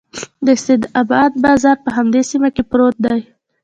د سیدآباد بازار په همدې سیمه کې پروت دی.